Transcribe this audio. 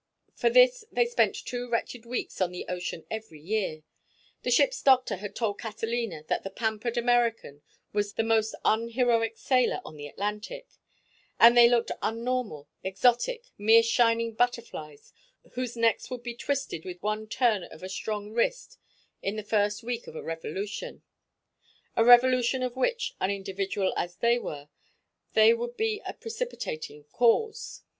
For this they spent two wretched weeks on the ocean every year—the ship's doctor had told Catalina that the pampered American was the most unheroic sailor on the Atlantic—and they looked unnormal, exotic, mere shining butterflies whose necks would be twisted with one turn of a strong wrist in the first week of a revolution; a revolution of which, unindividual as they were, they would be a precipitating cause.